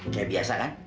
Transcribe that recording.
kayak biasa kan